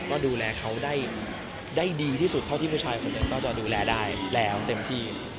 ก็ดูแลเขาได้ดีที่สุดเท่าที่ผู้ชายคนหนึ่งก็จะดูแลได้แล้วเต็มที่